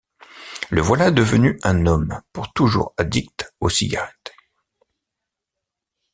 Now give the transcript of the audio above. Le voilà devenu un homme pour toujours addict aux cigarettes.